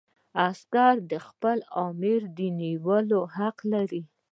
عسکر د خپل آمر د نیولو حق لري.